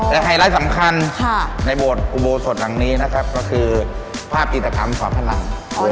และไฮไลท์สำคัญในบวชอุโบสดหลังนี้นะครับก็คือภาพอิตกรรมสว่างข้างหลัง